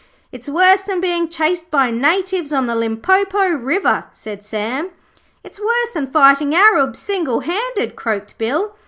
'It's worse than being chased by natives on the Limpopo River,' said Sam. 'It's worse than fighting Arabs single handed,' croaked Bill.